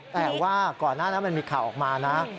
แต่ว่าก่อนหน้านั้นมันมีข่าวออกมานะ